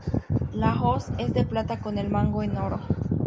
La hoz es de plata con el mango en oro.